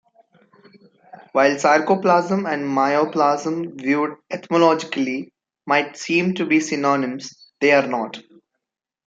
While "sarcoplasm" and "myoplasm," viewed etymologically, might seem to be synonyms, they are not.